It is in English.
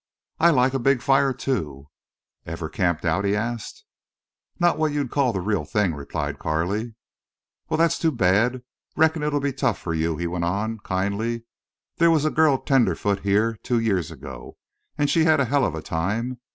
"I like a big fire, too." "Ever camped out?" he asked. "Not what you'd call the real thing," replied Carley. "Wal, thet's too bad. Reckon it'll be tough fer you," he went on, kindly. "There was a gurl tenderfoot heah two years ago an' she had a hell of a time.